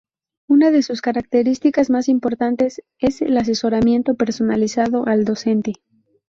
Una de sus características más importantes es el asesoramiento personalizado al docente.